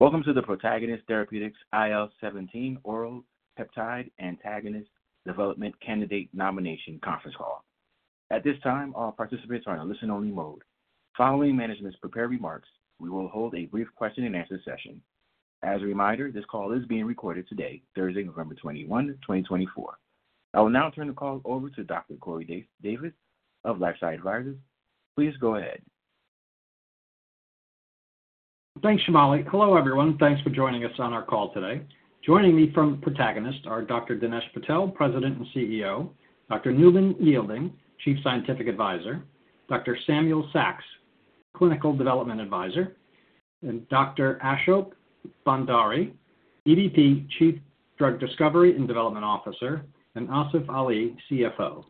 Welcome to the Protagonist Therapeutics IL-17 Oral Peptide Antagonist Development Candidate Nomination Conference Call. At this time, all participants are in a listen-only mode. Following management's prepared remarks, we will hold a brief question-and-answer session. As a reminder, this call is being recorded today, Thursday, November 21, 2024. I will now turn the call over to Dr. Corey Davis of LifeSci Advisors. Please go ahead. Thanks, Shamali. Hello, everyone. Thanks for joining us on our call today. Joining me from Protagonist are Dr. Dinesh Patel, President and CEO, Dr. Newman Yeilding, Chief Scientific Advisor, Dr. Samuel Saks, Clinical Development Advisor, and Dr. Ashok Bhandari, EVP, Chief Drug Discovery and Development Officer, and Asif Ali, CFO.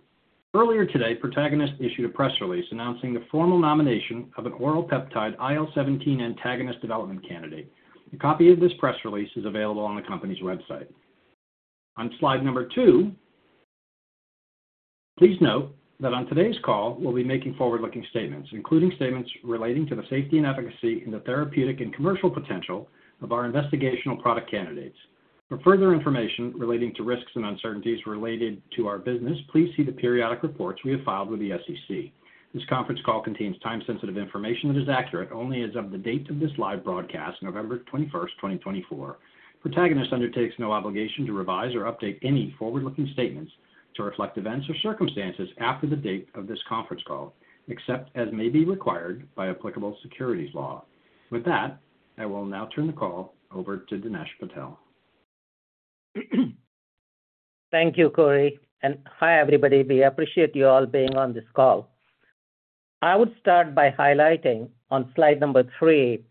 Earlier today, Protagonist issued a press release announcing the formal nomination of an oral peptide IL-17 antagonist development candidate. A copy of this press release is available on the company's website. On slide number two, please note that on today's call, we'll be making forward-looking statements, including statements relating to the safety and efficacy and the therapeutic and commercial potential of our investigational product candidates. For further information relating to risks and uncertainties related to our business, please see the periodic reports we have filed with the SEC. This conference call contains time-sensitive information that is accurate only as of the date of this live broadcast, November 21, 2024. Protagonist undertakes no obligation to revise or update any forward-looking statements to reflect events or circumstances after the date of this conference call, except as may be required by applicable securities law. With that, I will now turn the call over to Dinesh Patel. Thank you, Corey. Hi, everybody. We appreciate you all being on this call. I would start by highlighting on slide number three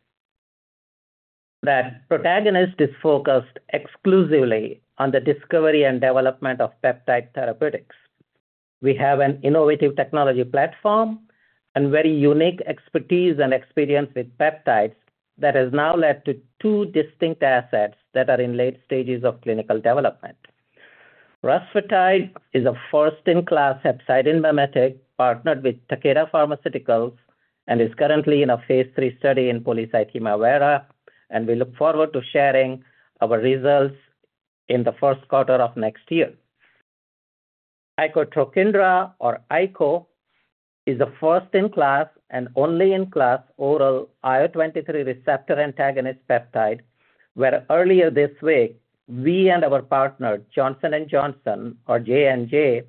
that Protagonist is focused exclusively on the discovery and development of peptide therapeutics. We have an innovative technology platform and very unique expertise and experience with peptides that has now led to two distinct assets that are in late stages of clinical development. Rusfertide is a first-in-class hepcidin mimetic partnered with Takeda Pharmaceuticals and is currently in a phase III study in polycythemia vera, and we look forward to sharing our results in the first quarter of next year. Icotrokinra, or ICO, is a first-in-class and only-in-class oral IL-23 receptor antagonist peptide, where earlier this week, we and our partner, Johnson & Johnson, or J&J,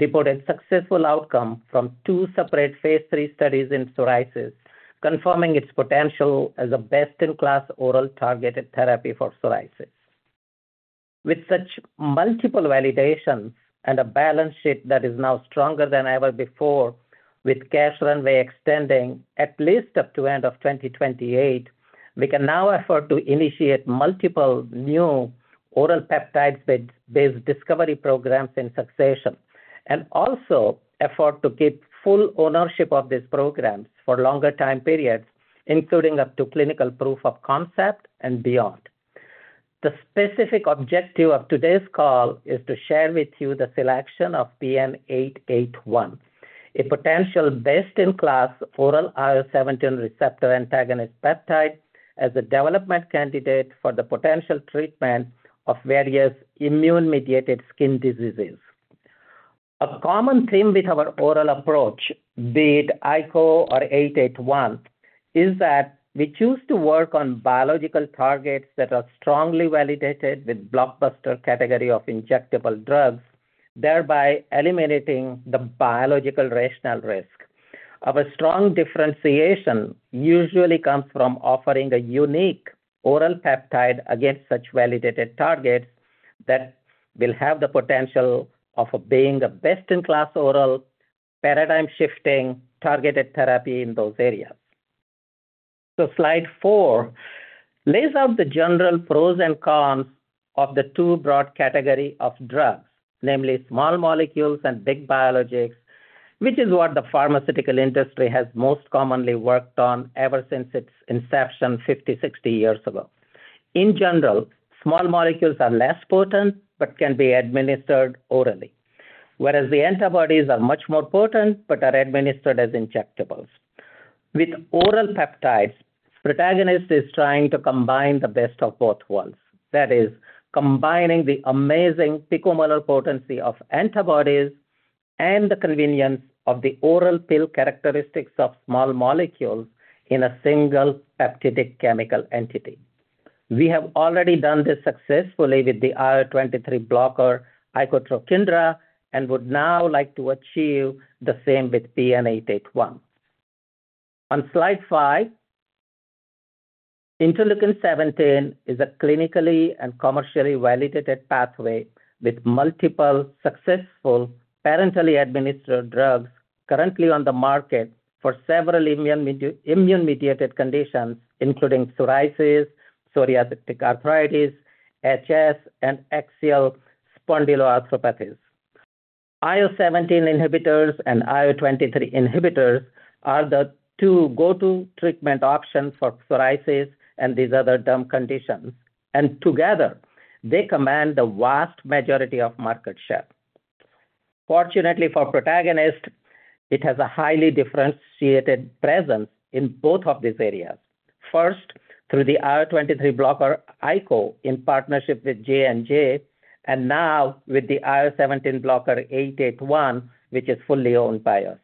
reported successful outcome from two separate phase III studies in psoriasis, confirming its potential as a best-in-class oral targeted therapy for psoriasis. With such multiple validations and a balance sheet that is now stronger than ever before, with cash runway extending at least up to the end of 2028, we can now afford to initiate multiple new oral peptide-based discovery programs in succession and also afford to keep full ownership of these programs for longer time periods, including up to clinical proof of concept and beyond. The specific objective of today's call is to share with you the selection of PN-881, a potential best-in-class oral IL-17 receptor antagonist peptide as a development candidate for the potential treatment of various immune-mediated skin diseases. A common theme with our oral approach, be it ICO or 881, is that we choose to work on biological targets that are strongly validated with blockbuster category of injectable drugs, thereby eliminating the biological rationale risk. Our strong differentiation usually comes from offering a unique oral peptide against such validated targets that will have the potential of being a best-in-class oral paradigm-shifting targeted therapy in those areas. So slide four lays out the general pros and cons of the two broad categories of drugs, namely small molecules and big biologics, which is what the pharmaceutical industry has most commonly worked on ever since its inception 50, 60 years ago. In general, small molecules are less potent but can be administered orally, whereas the antibodies are much more potent but are administered as injectables. With oral peptides, Protagonist is trying to combine the best of both worlds. That is, combining the amazing picomolar potency of antibodies and the convenience of the oral pill characteristics of small molecules in a single peptidic chemical entity. We have already done this successfully with the IL-23 blocker Icotrokinra and would now like to achieve the same with PN-881. On slide five, IL-17 is a clinically and commercially validated pathway with multiple successful parenterally administered drugs currently on the market for several immune-mediated conditions, including psoriasis, psoriatic arthritis, HS, and axial spondyloarthropathies. IL-17 inhibitors and IL-23 inhibitors are the two go-to treatment options for psoriasis and these other derm conditions. And together, they command the vast majority of market share. Fortunately for Protagonist, it has a highly differentiated presence in both of these areas. First, through the IL-23 blocker ICO in partnership with J&J, and now with the IL-17 blocker PN-881, which is fully owned by us.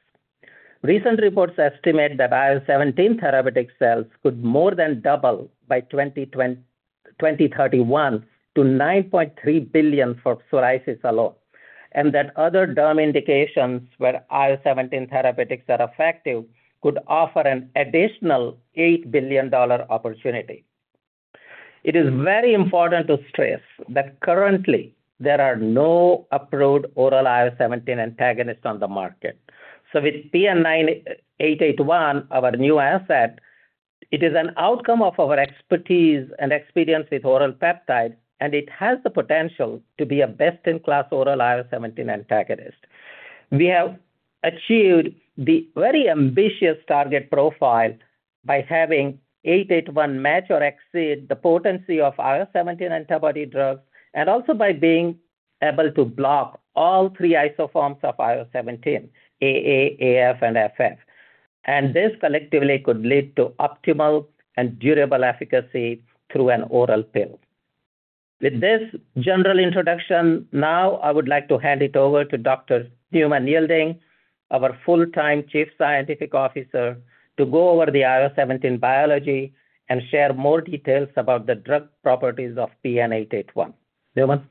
Recent reports estimate that IL-17 therapeutics sales could more than double by 2031 to 9.3 billion for psoriasis alone, and that other derm indications where IL-17 therapeutics are effective could offer an additional $8 billion opportunity. It is very important to stress that currently, there are no approved oral IL-17 antagonists on the market. So with PN-881, our new asset, it is an outcome of our expertise and experience with oral peptides, and it has the potential to be a best-in-class oral IL-17 antagonist. We have achieved the very ambitious target profile by having 881 match or exceed the potency of IL-17 antibody drugs and also by being able to block all three isoforms of IL-17, AA, AF, and FF. And this collectively could lead to optimal and durable efficacy through an oral pill. With this general introduction, now I would like to hand it over to Dr. Newman Yeilding, our full-time Chief Scientific Officer, to go over the IL-17 biology and share more details about the drug properties of PN-881. Newman.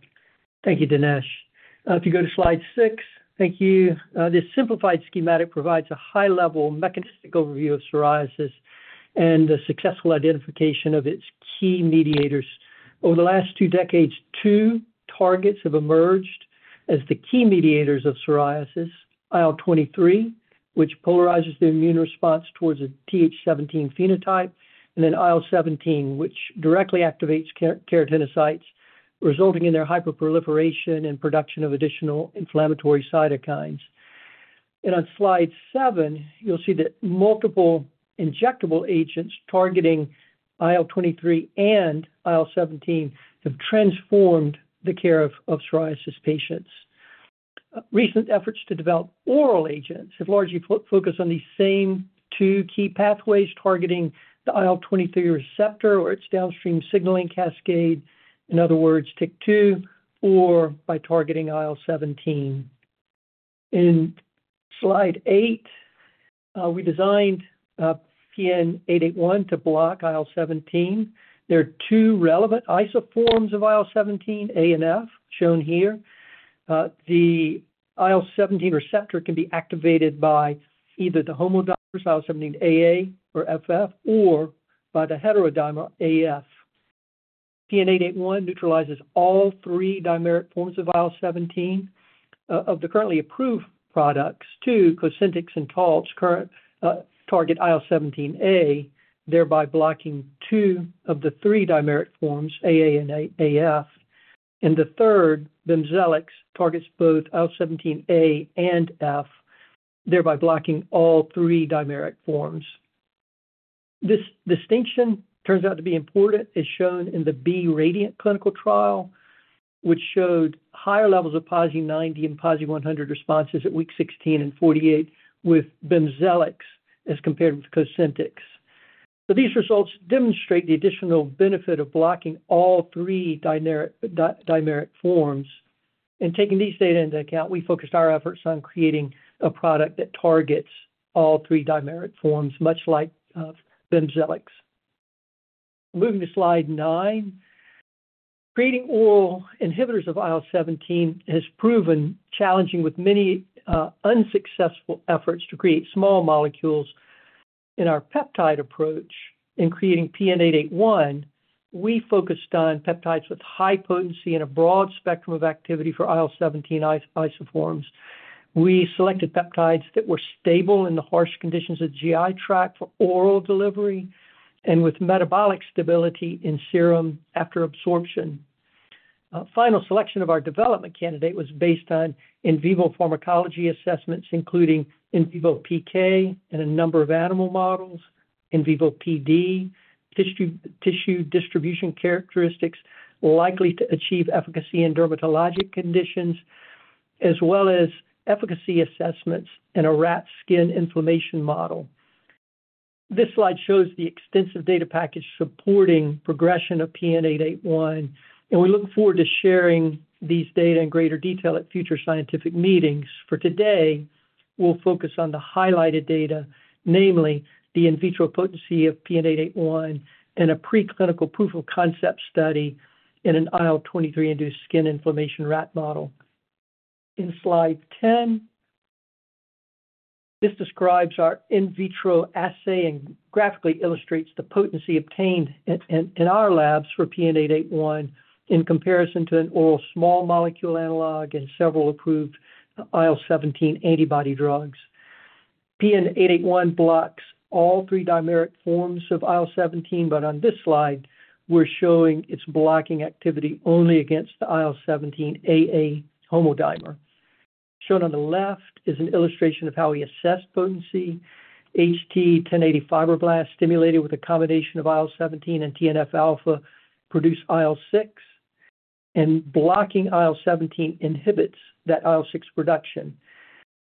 Thank you, Dinesh. If you go to slide six, thank you. This simplified schematic provides a high-level mechanistic overview of psoriasis and the successful identification of its key mediators. Over the last two decades, two targets have emerged as the key mediators of psoriasis: IL-23, which polarizes the immune response towards a Th17 phenotype, and then IL-17, which directly activates keratinocytes, resulting in their hyperproliferation and production of additional inflammatory cytokines, and on slide seven, you'll see that multiple injectable agents targeting IL-23 and IL-17 have transformed the care of psoriasis patients. Recent efforts to develop oral agents have largely focused on these same two key pathways targeting the IL-23 receptor or its downstream signaling cascade, in other words, TYK2, or by targeting IL-17. On slide eight, we designed PN-881 to block IL-17. There are two relevant isoforms of IL-17, A and F, shown here. The IL-17 receptor can be activated by either the homodimers IL-17 AA or FF or by the heterodimer AF. PN-881 neutralizes all three dimeric forms of IL-17 of the currently approved products: two, Cosentyx and Taltz, target IL-17A, thereby blocking two of the three dimeric forms, AA and AF, and the third, Bimzelx, targets both IL-17A and F, thereby blocking all three dimeric forms. This distinction turns out to be important, as shown in the BE RADIANT clinical trial, which showed higher levels of PASI 90 and PASI 100 responses at week 16 and 48 with Bimzelx as compared with Cosentyx, so these results demonstrate the additional benefit of blocking all three dimeric forms, and taking these data into account, we focused our efforts on creating a product that targets all three dimeric forms, much like Bimzelx. Moving to slide nine, creating oral inhibitors of IL-17 has proven challenging with many unsuccessful efforts to create small molecules. In our peptide approach in creating PN-881, we focused on peptides with high potency and a broad spectrum of activity for IL-17 isoforms. We selected peptides that were stable in the harsh conditions of the GI tract for oral delivery and with metabolic stability in serum after absorption. Final selection of our development candidate was based on in vivo pharmacology assessments, including in vivo PK and a number of animal models, in vivo PD, tissue distribution characteristics likely to achieve efficacy in dermatologic conditions, as well as efficacy assessments in a rat skin inflammation model. This slide shows the extensive data package supporting progression of PN-881, and we look forward to sharing these data in greater detail at future scientific meetings. For today, we'll focus on the highlighted data, namely the in vitro potency of PN-881 and a preclinical proof of concept study in an IL-23-induced skin inflammation rat model. In slide 10, this describes our in vitro assay and graphically illustrates the potency obtained in our labs for PN-881 in comparison to an oral small molecule analog and several approved IL-17 antibody drugs. PN-881 blocks all three dimeric forms of IL-17, but on this slide, we're showing its blocking activity only against the IL-17 AA homodimer. Shown on the left is an illustration of how we assess potency. HT-1080 fibroblasts stimulated with a combination of IL-17 and TNF alpha produce IL-6, and blocking IL-17 inhibits that IL-6 production.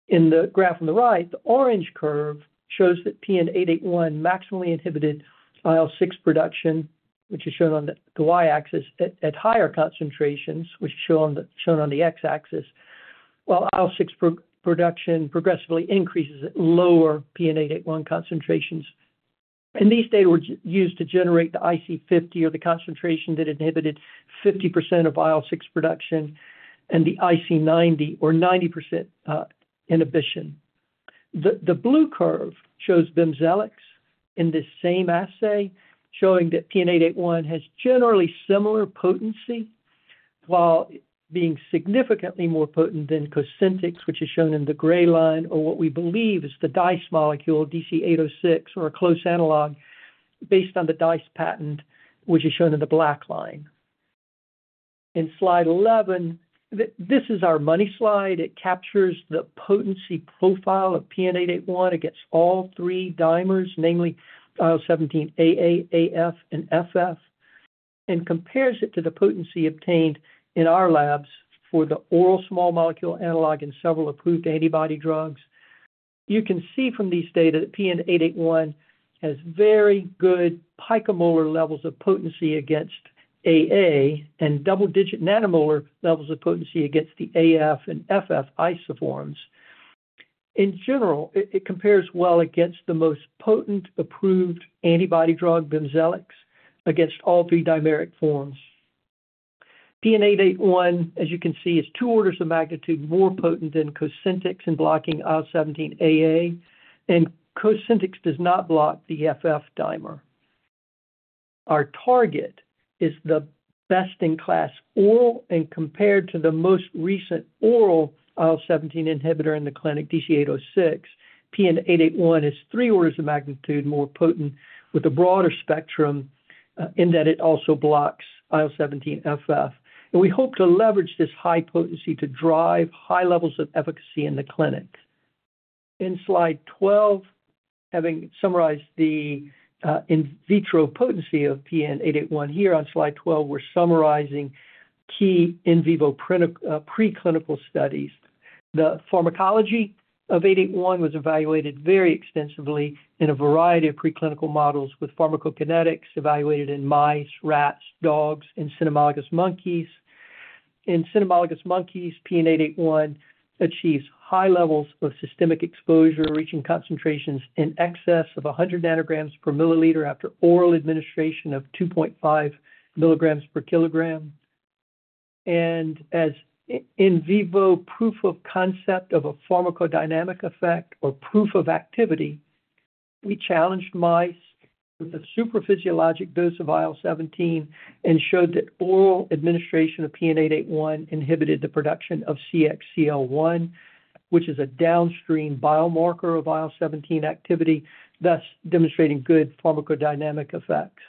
In the graph on the right, the orange curve shows that PN-881 maximally inhibited IL-6 production, which is shown on the Y axis at higher concentrations, which is shown on the X axis, while IL-6 production progressively increases at lower PN-881 concentrations, and these data were used to generate the IC50, or the concentration that inhibited 50% of IL-6 production and the IC90, or 90% inhibition. The blue curve shows Bimzelx in this same assay, showing that PN-881 has generally similar potency while being significantly more potent than Cosentyx, which is shown in the gray line, or what we believe is the DICE molecule, DC-806, or a close analog based on the DICE patent, which is shown in the black line. In slide 11, this is our money slide. It captures the potency profile of PN-881 against all three dimers, namely IL-17 AA, AF, and FF, and compares it to the potency obtained in our labs for the oral small molecule analog and several approved antibody drugs. You can see from these data that PN-881 has very good picomolar levels of potency against AA and double-digit nanomolar levels of potency against the AF and FF isoforms. In general, it compares well against the most potent approved antibody drug, Bimzelx, against all three dimeric forms. PN-881, as you can see, is two orders of magnitude more potent than Cosentyx in blocking IL-17 AA, and Cosentyx does not block the FF dimer. Our target is the best-in-class oral, and compared to the most recent oral IL-17 inhibitor in the clinic, DC-806, PN-881 is three orders of magnitude more potent with a broader spectrum in that it also blocks IL-17 FF. We hope to leverage this high potency to drive high levels of efficacy in the clinic. In slide 12, having summarized the in vitro potency of PN-881, here on slide 12, we're summarizing key in vivo preclinical studies. The pharmacology of 881 was evaluated very extensively in a variety of preclinical models with pharmacokinetics evaluated in mice, rats, dogs, and cynomolgus monkeys. In cynomolgus monkeys, PN-881 achieves high levels of systemic exposure, reaching concentrations in excess of 100 nanograms per milliliter after oral administration of 2.5 mg/kg. As in vivo proof of concept of a pharmacodynamic effect or proof of activity, we challenged mice with a supraphysiologic dose of IL-17 and showed that oral administration of PN-881 inhibited the production of CXCL1, which is a downstream biomarker of IL-17 activity, thus demonstrating good pharmacodynamic effects.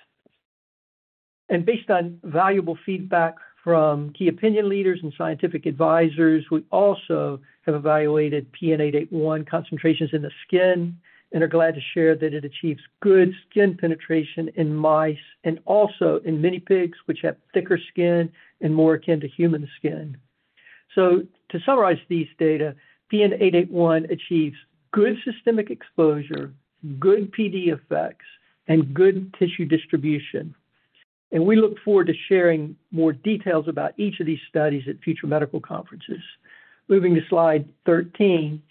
And based on valuable feedback from key opinion leaders and scientific advisors, we also have evaluated PN-881 concentrations in the skin and are glad to share that it achieves good skin penetration in mice and also in minipigs, which have thicker skin and more akin to human skin. So to summarize these data, PN-881 achieves good systemic exposure, good PD effects, and good tissue distribution. And we look forward to sharing more details about each of these studies at future medical conferences. Moving to slide 13,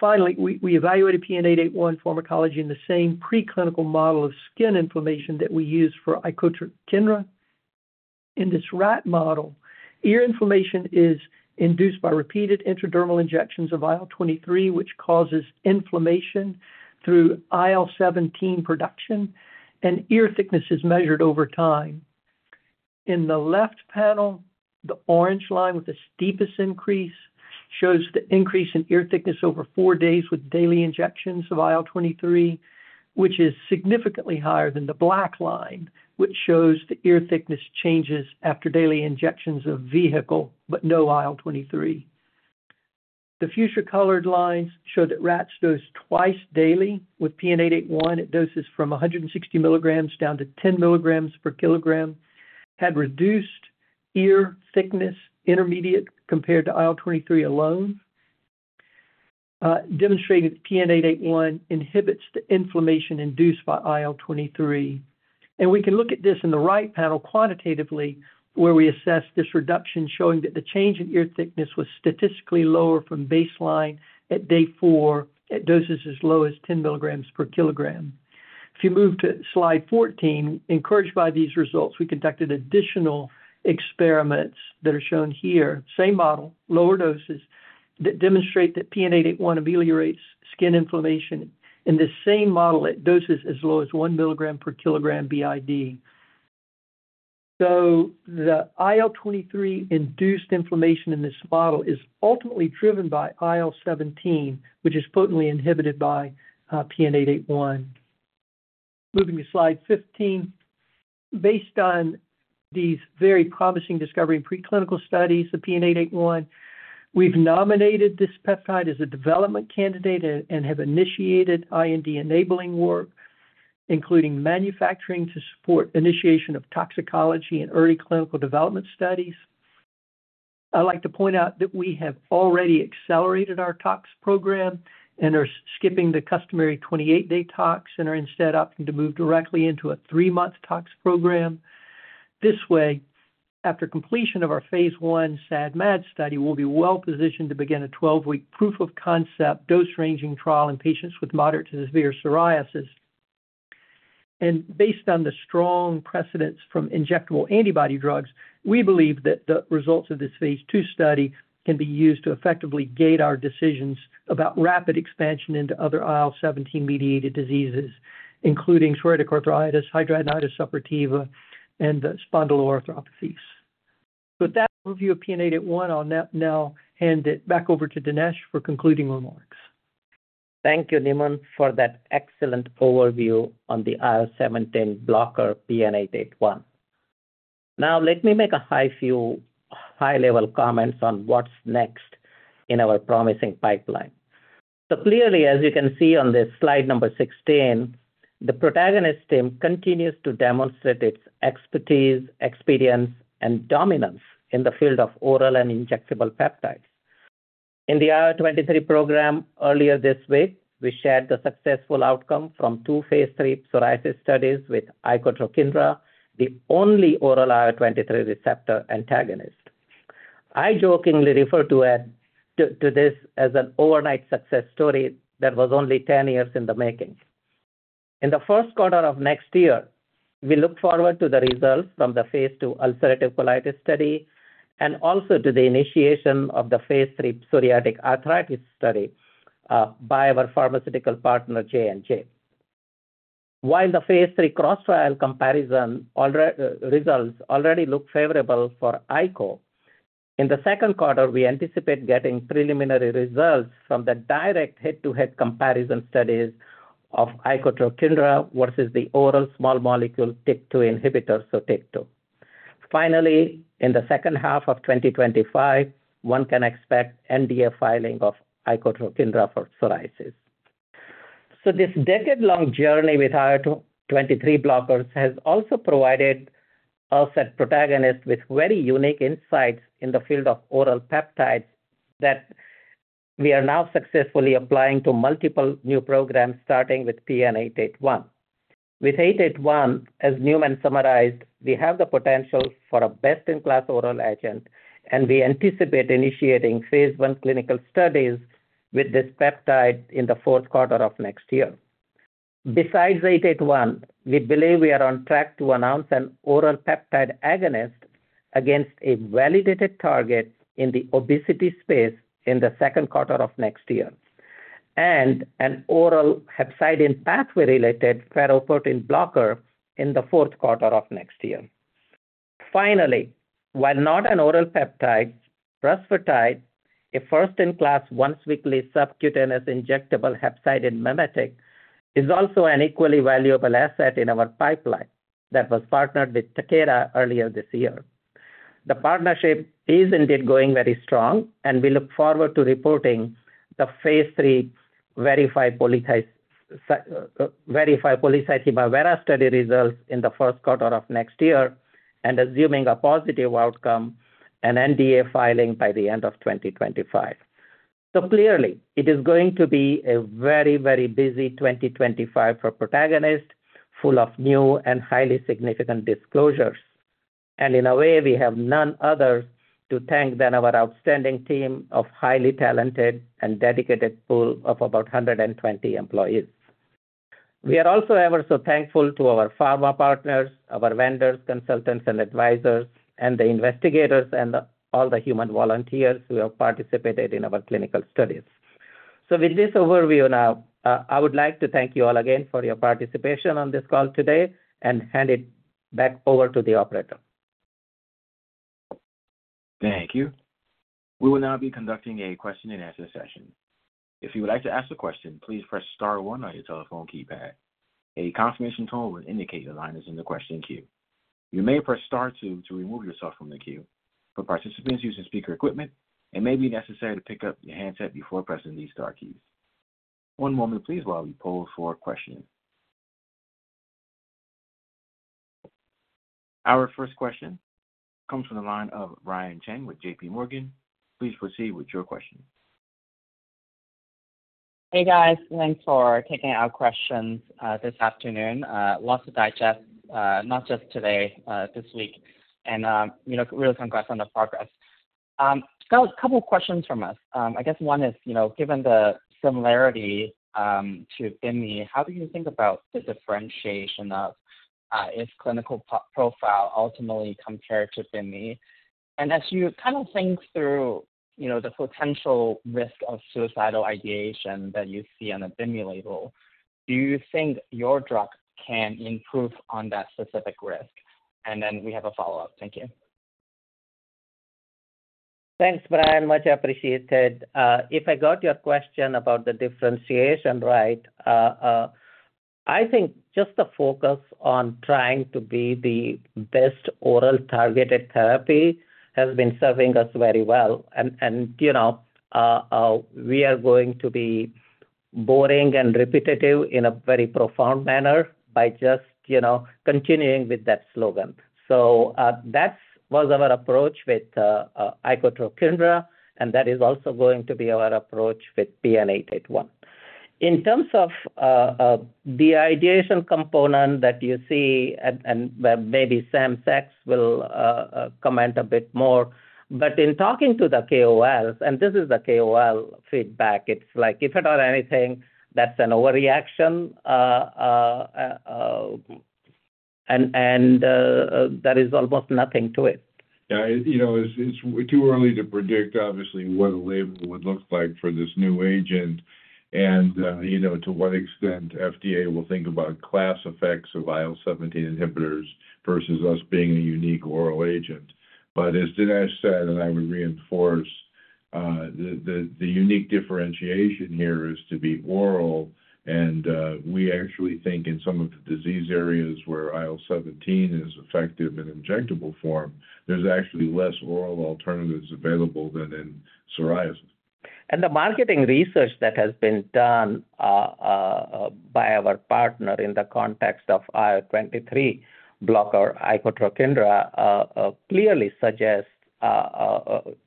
finally, we evaluated PN-881 pharmacology in the same preclinical model of skin inflammation that we use for Icotrokinra. In this rat model, ear inflammation is induced by repeated intradermal injections of IL-23, which causes inflammation through IL-17 production, and ear thickness is measured over time. In the left panel, the orange line with the steepest increase shows the increase in ear thickness over four days with daily injections of IL-23, which is significantly higher than the black line, which shows the ear thickness changes after daily injections of vehicle, but no IL-23. The other colored lines show that rats dosed twice daily with PN-881 at doses from 160 mg down to 10 mg/kg had reduced ear thickness intermediate compared to IL-23 alone, demonstrating that PN-881 inhibits the inflammation induced by IL-23, and we can look at this in the right panel quantitatively, where we assessed this reduction showing that the change in ear thickness was statistically lower from baseline at day four at doses as low as 10 mg/kg. If you move to slide 14, encouraged by these results, we conducted additional experiments that are shown here, same model, lower doses, that demonstrate that PN-881 ameliorates skin inflammation in this same model at doses as low as 1 mg/kg BID. So the IL-23-induced inflammation in this model is ultimately driven by IL-17, which is potently inhibited by PN-881. Moving to slide 15, based on these very promising discovery in preclinical studies of PN-881, we've nominated this peptide as a development candidate and have initiated IND-enabling work, including manufacturing to support initiation of toxicology and early clinical development studies. I'd like to point out that we have already accelerated our tox program and are skipping the customary 28-day tox and are instead opting to move directly into a three-month tox program. This way, after completion of our phase I SAD/MAD study, we'll be well positioned to begin a 12-week proof of concept dose-ranging trial in patients with moderate to severe psoriasis, and based on the strong precedents from injectable antibody drugs, we believe that the results of this phase II study can be used to effectively gate our decisions about rapid expansion into other IL-17 mediated diseases, including psoriatic arthritis, hidradenitis suppurativa, and spondyloarthropathies, so with that overview of PN-881, I'll now hand it back over to Dinesh for concluding remarks. Thank you, Newman, for that excellent overview on the IL-17 blocker PN-881. Now, let me make a high-view, high-level comment on what's next in our promising pipeline, so clearly, as you can see on this slide number 16, the Protagonist team continues to demonstrate its expertise, experience, and dominance in the field of oral and injectable peptides. In the IL-23 program earlier this week, we shared the successful outcome from two phase III psoriasis studies with Icotrokinra, the only oral IL-23 receptor antagonist. I jokingly refer to this as an overnight success story that was only 10 years in the making. In the first quarter of next year, we look forward to the results from the phase II ulcerative colitis study and also to the initiation of the phase III psoriatic arthritis study by our pharmaceutical partner, J&J. While the phase III cross-trial comparison results already look favorable for ICO, in the second quarter, we anticipate getting preliminary results from the direct head-to-head comparison studies of Icotrokinra versus the oral small molecule TYK2 inhibitor, Sotyktu. Finally, in the second half of 2025, one can expect NDA filing of Icotrokinra for psoriasis. So this decade-long journey with IL-23 blockers has also provided us at Protagonist with very unique insights in the field of oral peptides that we are now successfully applying to multiple new programs, starting with PN-881. With 881, as Newman summarized, we have the potential for a best-in-class oral agent, and we anticipate initiating phase I clinical studies with this peptide in the fourth quarter of next year. Besides 881, we believe we are on track to announce an oral peptide agonist against a validated target in the obesity space in the second quarter of next year, and an oral hepcidin pathway-related ferroportin blocker in the fourth quarter of next year. Finally, while not an oral peptide, Rusfertide, a first-in-class once-weekly subcutaneous injectable hepcidin mimetic, is also an equally valuable asset in our pipeline that was partnered with Takeda earlier this year. The partnership is indeed going very strong, and we look forward to reporting the phase III VERIFY Polycythemia vera study results in the first quarter of next year, and assuming a positive outcome, an NDA filing by the end of 2025. So clearly, it is going to be a very, very busy 2025 for Protagonist, full of new and highly significant disclosures. And in a way, we have none other to thank than our outstanding team of highly talented and dedicated pool of about 120 employees. We are also ever so thankful to our pharma partners, our vendors, consultants, and advisors, and the investigators, and all the human volunteers who have participated in our clinical studies. So with this overview now, I would like to thank you all again for your participation on this call today and hand it back over to the operator. Thank you. We will now be conducting a question-and-answer session. If you would like to ask a question, please press star one on your telephone keypad. A confirmation tone will indicate your line is in the question queue. You may press star two to remove yourself from the queue. For participants using speaker equipment, it may be necessary to pick up your handset before pressing these star keys. One moment, please, while we poll for a question. Our first question comes from the line of Brian Cheng with JPMorgan. Please proceed with your question. Hey, guys. Thanks for taking our questions this afternoon. Lots to digest, not just today, this week. And really congrats on the progress. Got a couple of questions from us. I guess one is, given the similarity to Bimzelx, how do you think about the differentiation of its clinical profile ultimately compared to Bimzelx? And as you kind of think through the potential risk of suicidal ideation that you see on a Bimzelx label, do you think your drug can improve on that specific risk? And then we have a follow-up. Thank you. Thanks, Brian. Much appreciated. If I got your question about the differentiation, right, I think just the focus on trying to be the best oral targeted therapy has been serving us very well. And we are going to be boring and repetitive in a very profound manner by just continuing with that slogan. So that was our approach with Icotrokinra, and that is also going to be our approach with PN-881. In terms of the ideation component that you see, and maybe Sam Saks will comment a bit more, but in talking to the KOLs, and this is the KOL feedback, it's like if at all anything, that's an overreaction, and there is almost nothing to it. Yeah. It's too early to predict, obviously, what a label would look like for this new agent and to what extent FDA will think about class effects of IL-17 inhibitors versus us being a unique oral agent. But as Dinesh said, and I would reinforce, the unique differentiation here is to be oral. And we actually think in some of the disease areas where IL-17 is effective in injectable form, there's actually less oral alternatives available than in psoriasis. And the marketing research that has been done by our partner in the context of IL-23 blocker Icotrokinra clearly suggests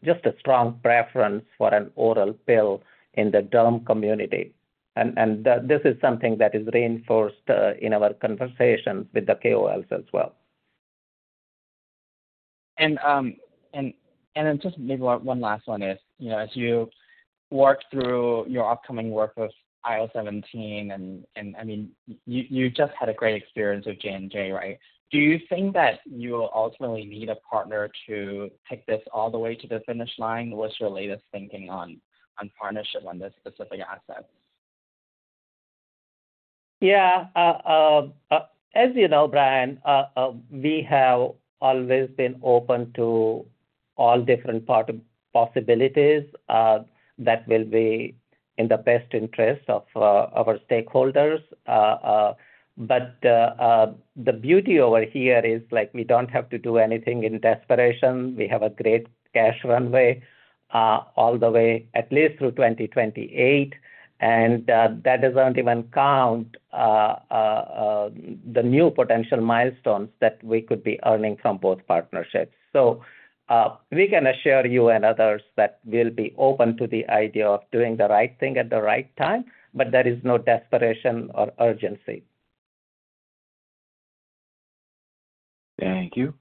just a strong preference for an oral pill in the derm community. And this is something that is reinforced in our conversations with the KOLs as well. And then just maybe one last one is, as you work through your upcoming work with IL-17, and I mean, you just had a great experience with J&J, right? Do you think that you will ultimately need a partner to take this all the way to the finish line? What's your latest thinking on partnership on this specific asset? Yeah. As you know, Brian, we have always been open to all different possibilities that will be in the best interest of our stakeholders. But the beauty over here is we don't have to do anything in desperation. We have a great cash runway all the way, at least through 2028. And that doesn't even count the new potential milestones that we could be earning from both partnerships. So we can assure you and others that we'll be open to the idea of doing the right thing at the right time, but there is no desperation or urgency. Thank you.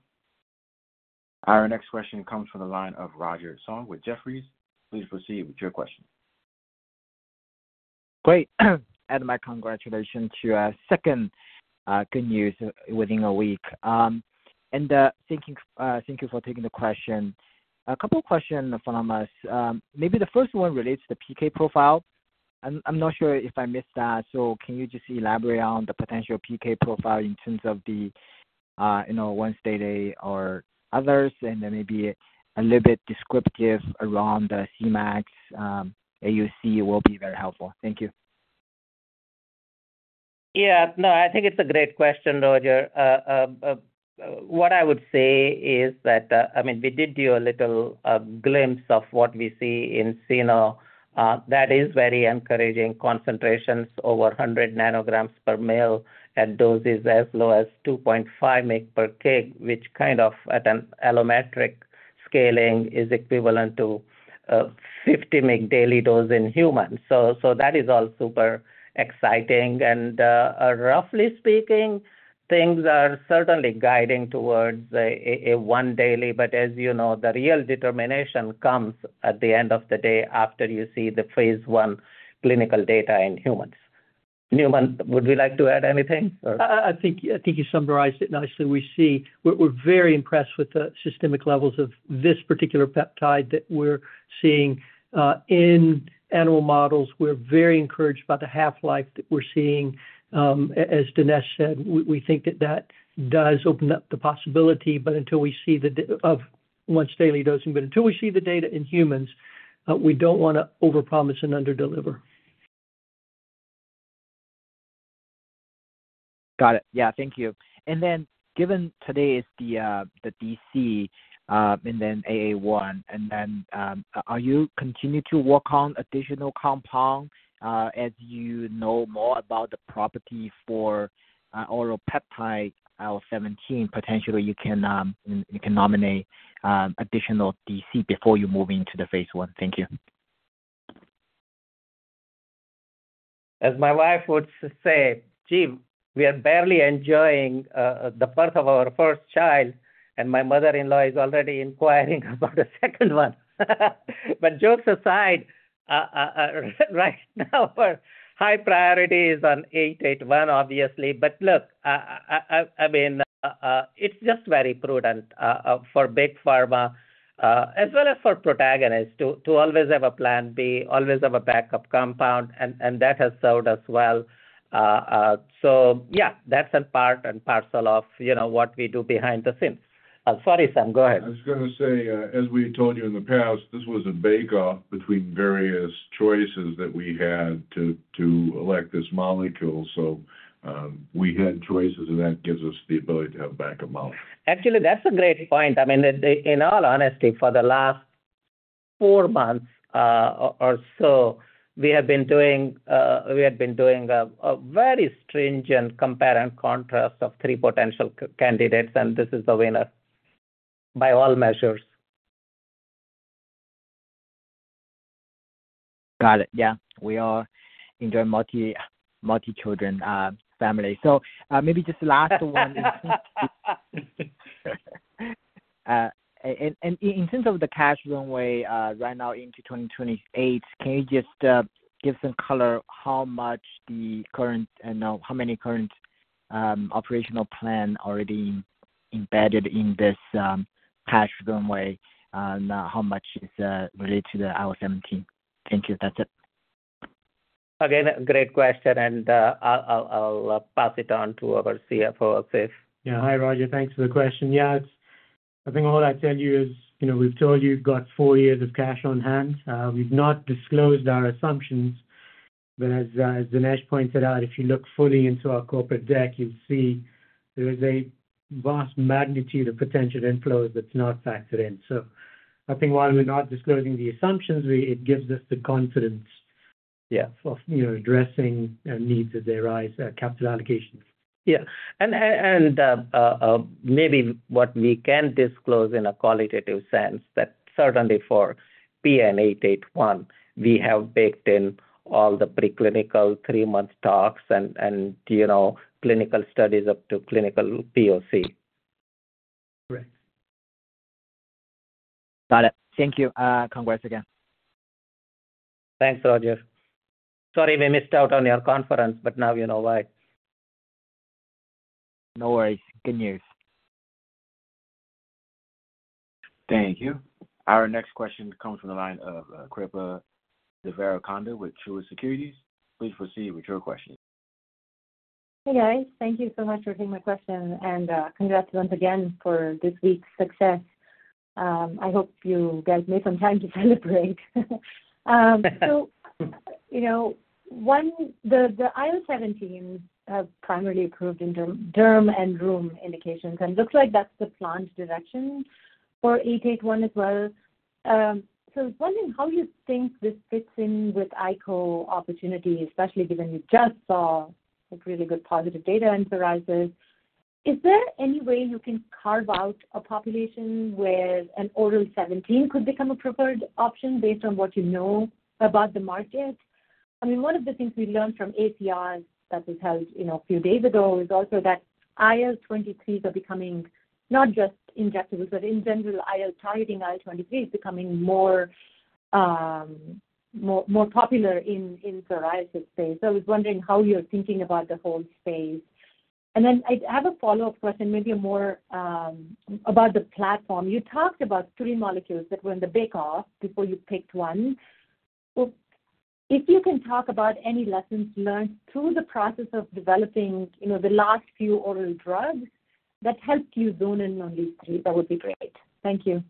Our next question comes from the line of Roger Song with Jefferies. Please proceed with your question. Great. Add my congratulations to our second good news within a week. And thank you for taking the question. A couple of questions from us. Maybe the first one relates to the PK profile. I'm not sure if I missed that. So can you just elaborate on the potential PK profile in terms of the once daily or others? Then maybe a little bit descriptive around the CMAX and AUC will be very helpful. Thank you. Yeah. No, I think it's a great question, Roger. What I would say is that, I mean, we did do a little glimpse of what we see in cyno. That is very encouraging concentrations over 100 nanograms per mL at doses as low as 2.5 mg/kg, which kind of at an allometric scaling is equivalent to 50 mg daily dose in humans. So that is all super exciting. And roughly speaking, things are certainly guiding towards a once daily. But as you know, the real determination comes at the end of the day after you see the phase I clinical data in humans. Newman, would you like to add anything? I think you summarized it nicely. We're very impressed with the systemic levels of this particular peptide that we're seeing in animal models. We're very encouraged by the half-life that we're seeing. As Dinesh said, we think that that does open up the possibility, but until we see the once daily dosing, but until we see the data in humans, we don't want to overpromise and underdeliver. Got it. Yeah. Thank you. And then given today is the DC and then IL-17A, and then are you continuing to work on additional compounds as you know more about the property for oral peptide IL-17? Potentially, you can nominate additional DC before you move into the phase I. Thank you. As my wife would say, "Gee, we are barely enjoying the birth of our first child, and my mother-in-law is already inquiring about a second one." But jokes aside, right now, our high priority is on 881, obviously. But look, I mean, it's just very prudent for Big Pharma, as well as for Protagonist, to always have a plan B, always have a backup compound, and that has served us well. So yeah, that's a part and parcel of what we do behind the scenes. Sorry, Sam, go ahead. I was going to say, as we told you in the past, this was a bake-off between various choices that we had to elect this molecule. So we had choices, and that gives us the ability to have a backup molecule. Actually, that's a great point. I mean, in all honesty, for the last four months or so, we had been doing a very stringent compare and contrast of three potential candidates, and this is the winner by all measures. Got it. Yeah. We are enjoying multi-children family. So maybe just last one. In terms of the cash runway right now into 2028, can you just give some color how much the current and how many current operational plans are already embedded in this cash runway, and how much is related to the IL-17? Thank you. That's it. Again, a great question, and I'll pass it on to our CFO, Asif. Yeah. Hi, Roger. Thanks for the question. Yeah. I think all I can tell you is we've told you we've got four years of cash on hand. We've not disclosed our assumptions. But as Dinesh pointed out, if you look fully into our corporate deck, you'll see there is a vast magnitude of potential inflows that's not factored in. So I think while we're not disclosing the assumptions, it gives us the confidence of addressing needs as they arise, capital allocations. Yeah. And maybe what we can disclose in a qualitative sense, that certainly for PN-881, we have baked in all the preclinical three-month tox and clinical studies up to clinical POC. Correct. Got it. Thank you. Congrats again. Thanks, Roger. Sorry, we missed out on your conference, but now you know why. No worries. Good news. Thank you. Our next question comes from the line of Kripa Devarakonda with Truist Securities. Please proceed with your question. Hey, guys. Thank you so much for taking my question, and congrats once again for this week's success. I hope you guys made some time to celebrate. So the IL-17 has primarily approved in derm and rheum indications, and it looks like that's the planned direction for 881 as well. So I was wondering how you think this fits in with ICO opportunity, especially given you just saw really good positive data in psoriasis. Is there any way you can carve out a population where an oral IL-17 could become a preferred option based on what you know about the market? I mean, one of the things we learned from ACR that was held a few days ago is also that IL-23s are becoming not just injectables, but in general, targeting IL-23 is becoming more popular in psoriasis space. So I was wondering how you're thinking about the whole space. And then I have a follow-up question, maybe more about the platform. You talked about three molecules that were in the bake-off before you picked one. If you can talk about any lessons learned through the process of developing the last few oral drugs that helped you zone in on these three, that would be great. Thank you.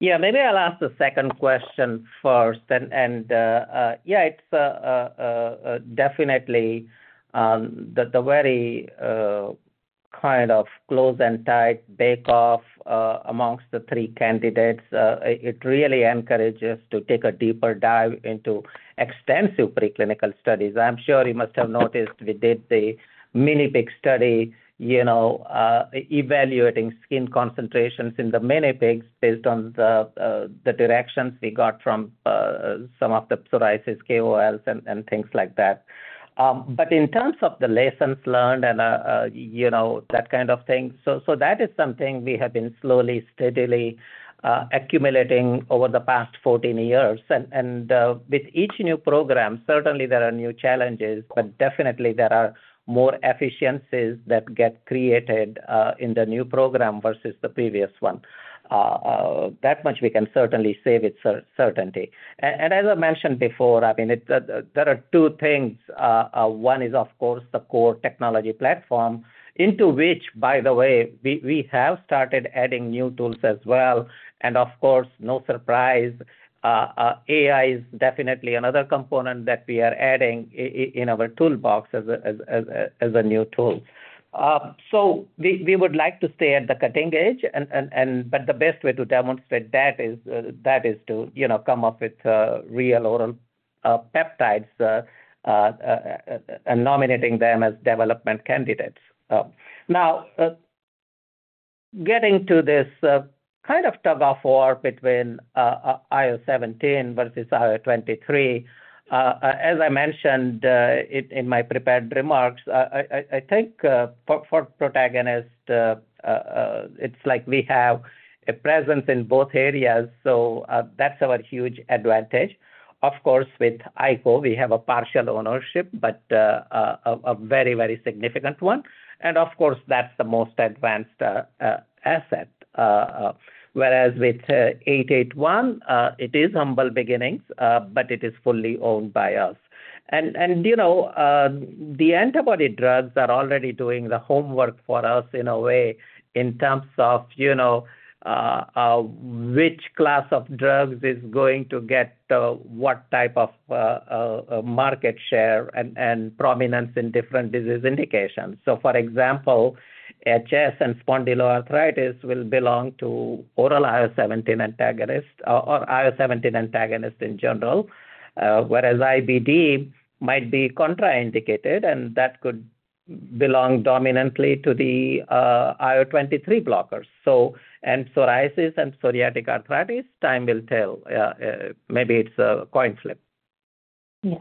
Yeah. Maybe I'll ask the second question first. And yeah, it's definitely the very kind of close and tight bake-off amongst the three candidates. It really encourages us to take a deeper dive into extensive preclinical studies. I'm sure you must have noticed we did the mini pigs study evaluating skin concentrations in the mini pigs based on the directions we got from some of the psoriasis KOLs and things like that. But in terms of the lessons learned and that kind of thing. So that is something we have been slowly, steadily accumulating over the past 14 years. And with each new program, certainly there are new challenges, but definitely there are more efficiencies that get created in the new program versus the previous one. That much, we can certainly say with certainty. And as I mentioned before, I mean, there are two things. One is, of course, the core technology platform into which, by the way, we have started adding new tools as well. And of course, no surprise, AI is definitely another component that we are adding in our toolbox as a new tool. So we would like to stay at the cutting edge, but the best way to demonstrate that is to come up with real oral peptides and nominating them as development candidates. Now, getting to this kind of tug-of-war between IL-17 versus IL-23, as I mentioned in my prepared remarks, I think for Protagonist, it's like we have a presence in both areas. So that's our huge advantage. Of course, with ICO we have a partial ownership, but a very, very significant one. And of course, that's the most advanced asset. Whereas with 881, it is humble beginnings, but it is fully owned by us. And the antibody drugs are already doing the homework for us in a way in terms of which class of drugs is going to get what type of market share and prominence in different disease indications. So for example, HS and spondyloarthritis will belong to oral IL-17 antagonist or IL-17 antagonist in general, whereas IBD might be contraindicated, and that could belong dominantly to the IL-23 blockers. And psoriasis and psoriatic arthritis, time will tell. Maybe it's a coin flip. Yeah.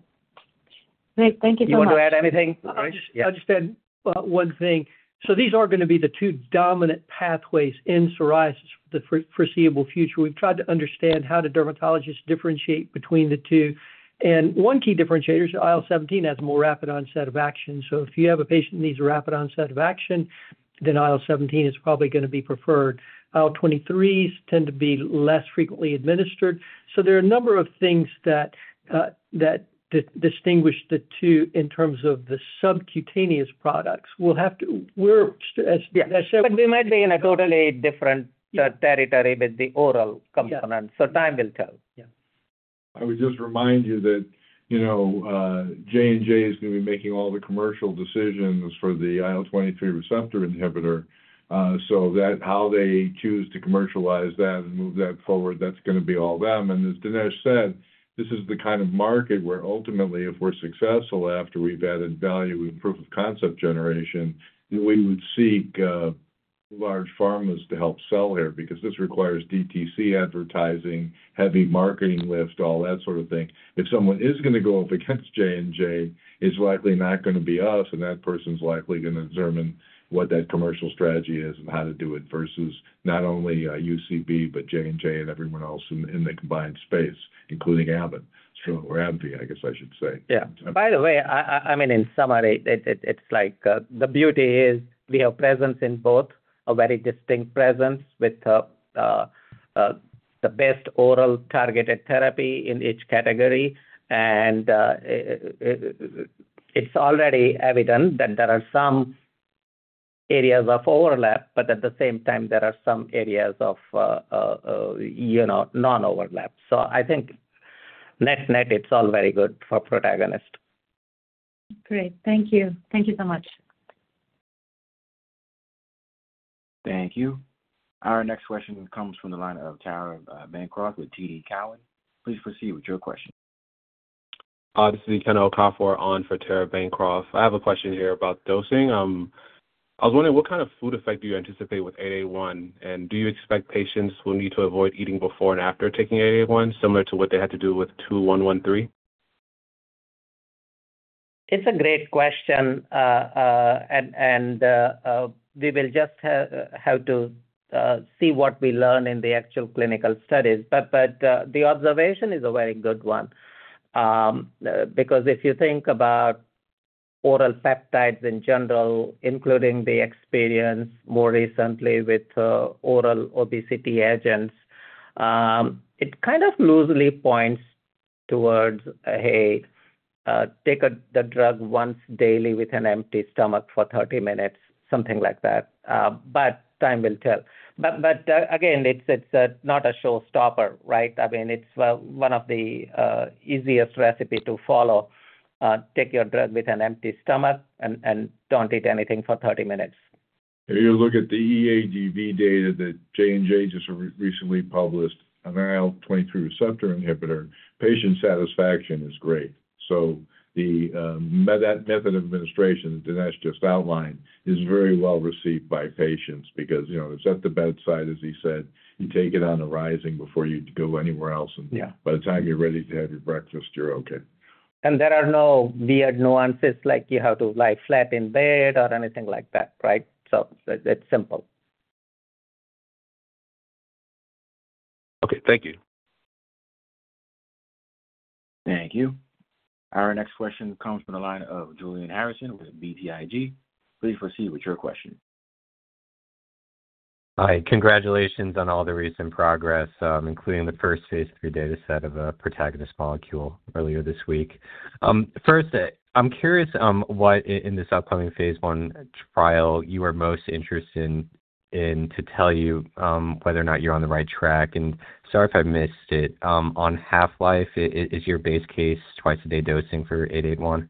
Great. Thank you so much. Didn't you add anything? I just add one thing. So these are going to be the two dominant pathways in psoriasis for the foreseeable future. We've tried to understand how do dermatologists differentiate between the two. And one key differentiator is IL-17 has a more rapid onset of action. So if you have a patient who needs a rapid onset of action, then IL-17 is probably going to be preferred. IL-23s tend to be less frequently administered. So there are a number of things that distinguish the two in terms of the subcutaneous products. We'll have to. Yeah. We might be in a totally different territory with the oral component. So time will tell. Yeah. I would just remind you that J&J is going to be making all the commercial decisions for the IL-23 receptor inhibitor. So how they choose to commercialize that and move that forward, that's going to be all them. And as Dinesh said, this is the kind of market where ultimately, if we're successful after we've added value, we've proven concept generation, then we would seek large pharmas to help sell here because this requires DTC advertising, heavy marketing lift, all that sort of thing. If someone is going to go up against J&J, it's likely not going to be us, and that person's likely going to determine what that commercial strategy is and how to do it versus not only UCB, but J&J and everyone else in the combined space, including AbbVie, I guess I should say. Yeah. By the way, I mean, in summary, it's like the beauty is we have presence in both, a very distinct presence with the best oral targeted therapy in each category. And it's already evident that there are some areas of overlap, but at the same time, there are some areas of non-overlap. So I think net net, it's all very good for Protagonist. Great. Thank you. Thank you so much. Thank you. Our next question comes from the line of Tara Bancroft with TD Cowen. Please proceed with your question. This is Ken Okafor on for Tara Bancroft. I have a question here about dosing. I was wondering what kind of food effect do you anticipate with 881, and do you expect patients will need to avoid eating before and after taking 881, similar to what they had to do with 2113? It's a great question, and we will just have to see what we learn in the actual clinical studies. But the observation is a very good one because if you think about oral peptides in general, including the experience more recently with oral obesity agents, it kind of loosely points towards, "Hey, take the drug once daily with an empty stomach for 30 minutes," something like that. But time will tell. But again, it's not a showstopper, right? I mean, it's one of the easiest recipes to follow. Take your drug with an empty stomach and don't eat anything for 30 minutes. If you look at the EADV data that J&J just recently published, an IL-23 receptor inhibitor, patient satisfaction is great. So that method of administration that Dinesh just outlined is very well received by patients because it's at the bedside, as he said. You take it on the rising before you go anywhere else, and by the time you're ready to have your breakfast, you're okay, and there are no weird nuances like you have to lie flat in bed or anything like that, right? So it's simple. Okay. Thank you. Thank you. Our next question comes from the line of Julian Harrison with BTIG. Please proceed with your question. Hi. Congratulations on all the recent progress, including the first phase III data set of a Protagonist molecule earlier this week. First, I'm curious what in this upcoming phase I trial you are most interested in to tell you whether or not you're on the right track? And sorry if I missed it. On half-life, is your base case twice-a-day dosing for 881?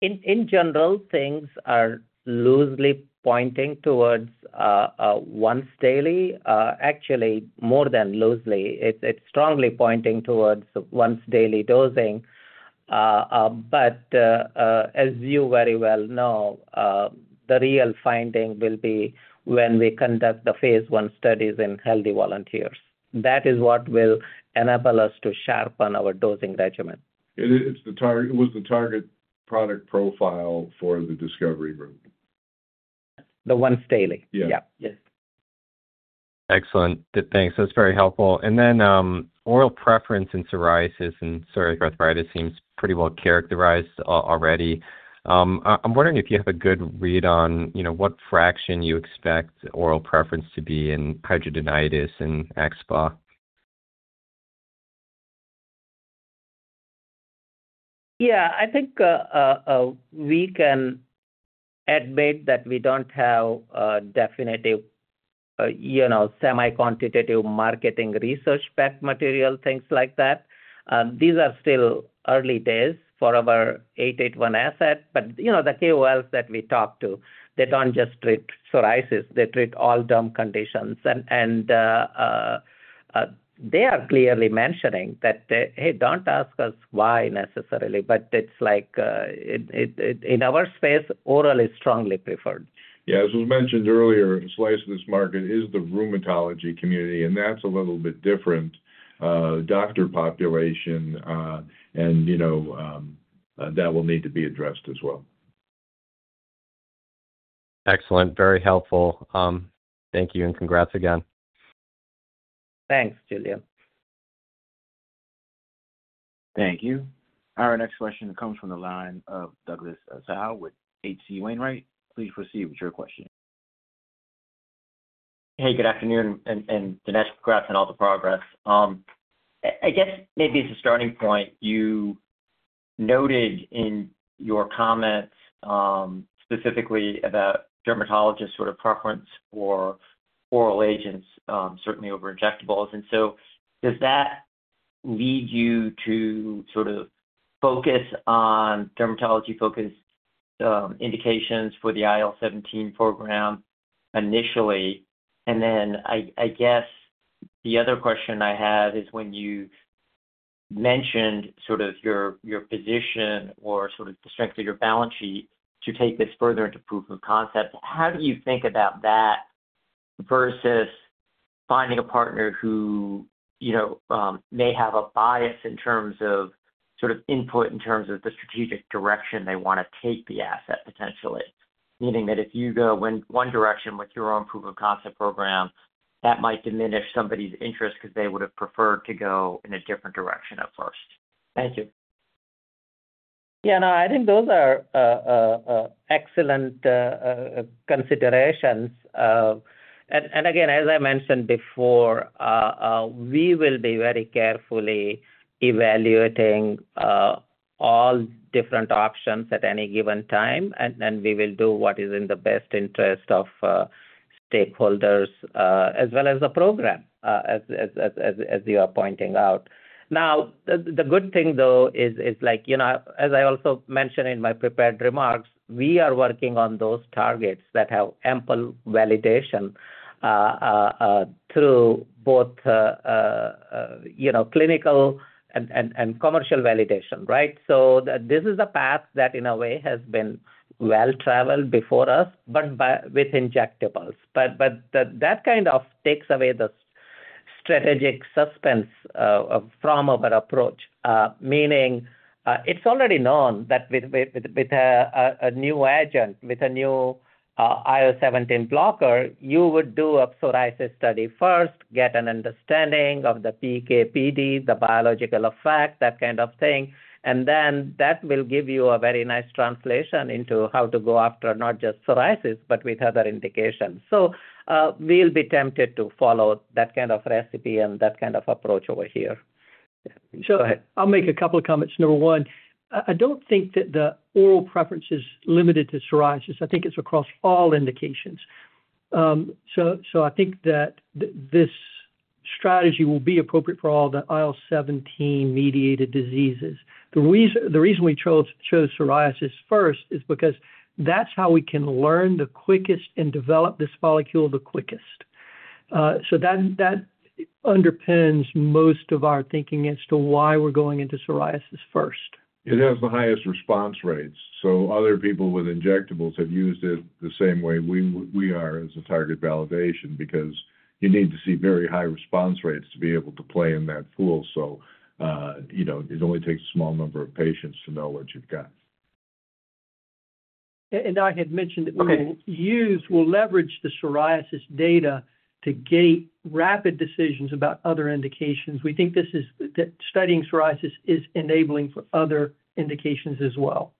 In general, things are loosely pointing towards once daily. Actually, more than loosely, it's strongly pointing towards once-daily dosing. But as you very well know, the real finding will be when we conduct the phase I studies in healthy volunteers. That is what will enable us to sharpen our dosing regimen. It was the target product profile for the discovery group. The once daily. Yeah. Yes. Excellent. Thanks. That's very helpful. And then oral preference in psoriasis and psoriatic arthritis seems pretty well characterized already. I'm wondering if you have a good read on what fraction you expect oral preference to be in hidradenitis and axSpA. Yeah. I think we can admit that we don't have definitive semi-quantitative marketing research back material, things like that. These are still early days for our 881 asset. But the KOLs that we talk to, they don't just treat psoriasis. They treat all derm conditions. And they are clearly mentioning that, "Hey, don't ask us why necessarily." But it's like in our space, oral is strongly preferred. Yeah. As was mentioned earlier, the slice of this market is the rheumatology community, and that's a little bit different doctor population, and that will need to be addressed as well. Excellent. Very helpful. Thank you and congrats again. Thanks, Julian. Thank you. Our next question comes from the line of Douglas Tsao with H.C. Wainwright. Please proceed with your question. Hey, good afternoon, and Dinesh, congrats on all the progress. I guess maybe as a starting point, you noted in your comments specifically about dermatologists' sort of preference for oral agents, certainly over injectables. And so does that lead you to sort of focus on dermatology-focused indications for the IL-17 program initially? And then I guess the other question I have is when you mentioned sort of your position or sort of the strength of your balance sheet to take this further into proof of concept, how do you think about that versus finding a partner who may have a bias in terms of sort of input in terms of the strategic direction they want to take the asset potentially? Meaning that if you go one direction with your own proof of concept program, that might diminish somebody's interest because they would have preferred to go in a different direction at first. Thank you. Yeah. No, I think those are excellent considerations. And again, as I mentioned before, we will be very carefully evaluating all different options at any given time, and then we will do what is in the best interest of stakeholders as well as the program, as you are pointing out. Now, the good thing, though, is like as I also mentioned in my prepared remarks, we are working on those targets that have ample validation through both clinical and commercial validation, right? So this is a path that in a way has been well-traveled before us, but with injectables. But that kind of takes away the strategic suspense from our approach, meaning it's already known that with a new agent, with a new IL-17 blocker, you would do a psoriasis study first, get an understanding of the PK/PD, the biological effect, that kind of thing. And then that will give you a very nice translation into how to go after not just psoriasis, but with other indications. So we'll be tempted to follow that kind of recipe and that kind of approach over here. Sure. I'll make a couple of comments. Number one, I don't think that the oral preference is limited to psoriasis. I think it's across all indications. So I think that this strategy will be appropriate for all the IL-17-mediated diseases. The reason we chose psoriasis first is because that's how we can learn the quickest and develop this molecule the quickest. So that underpins most of our thinking as to why we're going into psoriasis first. It has the highest response rates. So other people with injectables have used it the same way we are as a target validation because you need to see very high response rates to be able to play in that pool. So it only takes a small number of patients to know what you've got. And I had mentioned that we will leverage the psoriasis data to gate rapid decisions about other indications. We think studying psoriasis is enabling for other indications as well.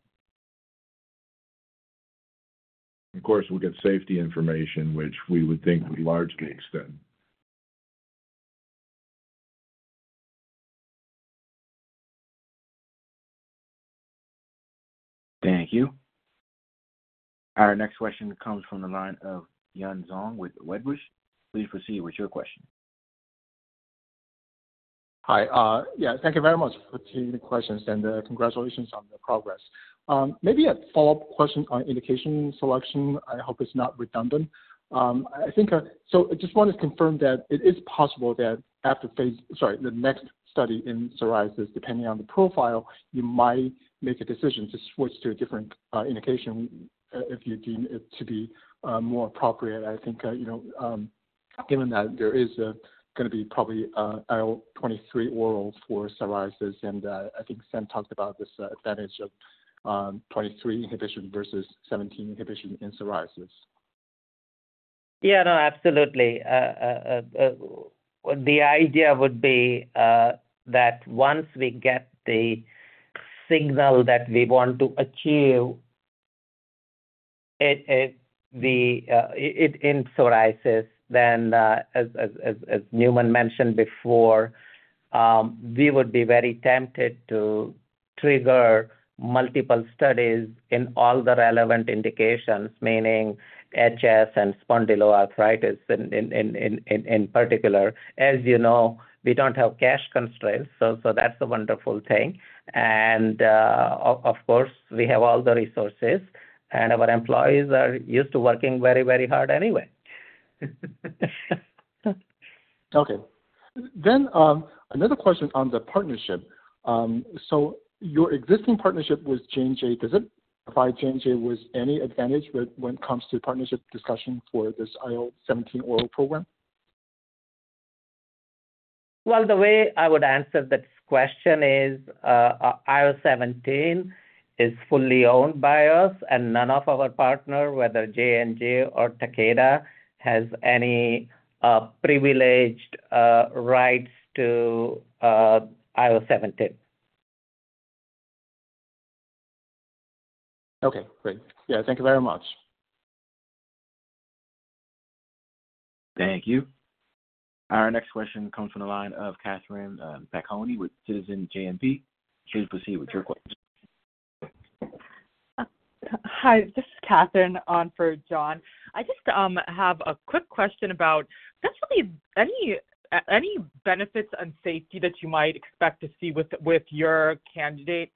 Of course, we get safety information, which we would think would largely extend. Thank you. Our next question comes from the line of Yun Zhong with Wedbush. Please proceed with your question. Hi. Yeah. Thank you very much for the questions, and congratulations on the progress. Maybe a follow-up question on indication selection. I hope it's not redundant. So I just want to confirm that it is possible that after phase, sorry, the next study in psoriasis, depending on the profile, you might make a decision to switch to a different indication if you deem it to be more appropriate. I think given that there is going to be probably IL-23 oral for psoriasis, and I think Sam talked about this advantage of 23 inhibition versus 17 inhibition in psoriasis. Yeah. No, absolutely. The idea would be that once we get the signal that we want to achieve in psoriasis, then as Newman mentioned before, we would be very tempted to trigger multiple studies in all the relevant indications, meaning HS and spondyloarthritis in particular. As you know, we don't have cash constraints. So that's a wonderful thing. And of course, we have all the resources, and our employees are used to working very, very hard anyway. Okay. Then another question on the partnership. So your existing partnership with J&J, does it provide J&J with any advantage when it comes to partnership discussion for this IL-17 oral program? Well, the way I would answer this question is IL-17 is fully owned by us, and none of our partners, whether J&J or Takeda, has any privileged rights to IL-17. Okay. Great. Yeah. Thank you very much. Thank you. Our next question comes from the line of Catherine Okoukoni with Citizens JMP. Please proceed with your question. Hi. This is Catherine on for John. I just have a quick question about potentially any benefits and safety that you might expect to see with your candidate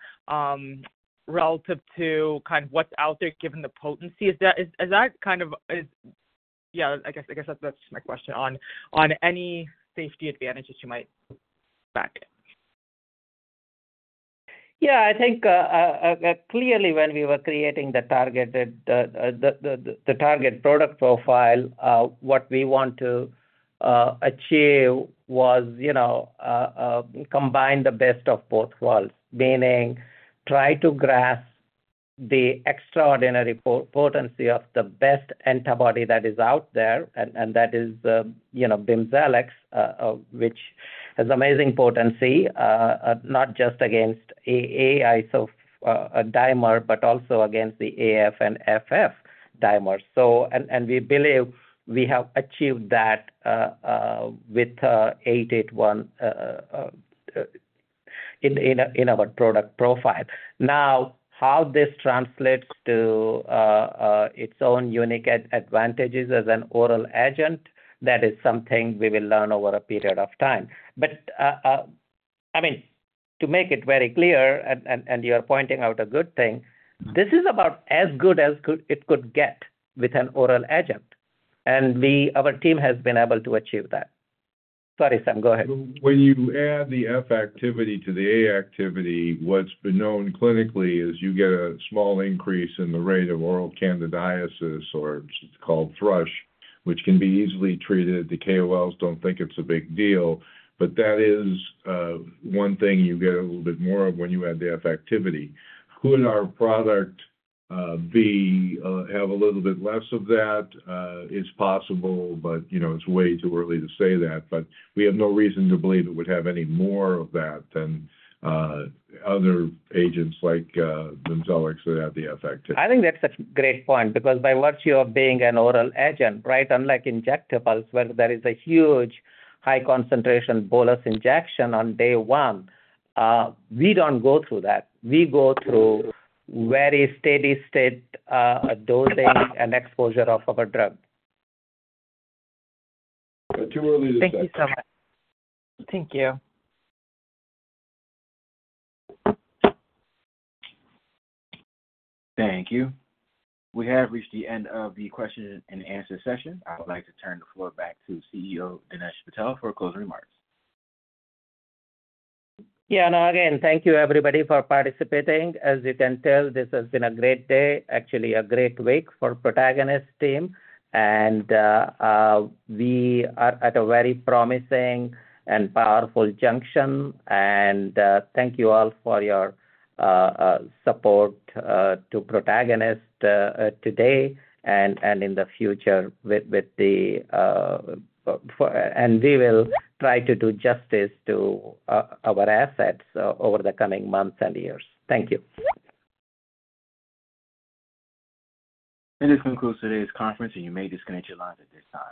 relative to kind of what's out there given the potency. Is that kind of, yeah, I guess that's just my question, on any safety advantages you might expect? Yeah. I think clearly when we were creating the target product profile, what we want to achieve was combine the best of both worlds, meaning try to grasp the extraordinary potency of the best antibody that is out there, and that is Bimzelx, which has amazing potency, not just against IL-17A/F dimer, but also against the AF and FF dimers, and we believe we have achieved that with 881 in our product profile. Now, how this translates to its own unique advantages as an oral agent, that is something we will learn over a period of time, but I mean, to make it very clear, and you are pointing out a good thing, this is about as good as it could get with an oral agent, and our team has been able to achieve that. Sorry, Sam. Go ahead. When you add the F activity to the A activity, what's been known clinically is you get a small increase in the rate of oral candidiasis, or it's called thrush, which can be easily treated. The KOLs don't think it's a big deal, but that is one thing you get a little bit more of when you add the F activity. Could our product have a little bit less of that? It's possible, but it's way too early to say that. But we have no reason to believe it would have any more of that than other agents like Bimzelx that have the F activity. I think that's a great point because by virtue of being an oral agent, right, unlike injectables, where there is a huge high-concentration bolus injection on day one, we don't go through that. We go through very steady-state dosing and exposure of our drug. But too early to say. Thank you so much. Thank you. Thank you. We have reached the end of the question-and-answer session. I would like to turn the floor back to CEO Dinesh Patel for closing remarks. Yeah. No, again, thank you, everybody, for participating. As you can tell, this has been a great day, actually a great week for the Protagonist team. And we are at a very promising and powerful junction, and thank you all for your support to Protagonist today and in the future. And we will try to do justice to our assets over the coming months and years. Thank you. And this concludes today's conference, and you may disconnect your lines at this time.